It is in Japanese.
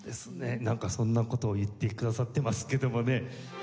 なんかそんな事を言ってくださってますけどもね。